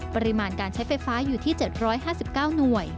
ปริมาณการใช้ไฟฟ้าอยู่ที่๗๕๙หน่วย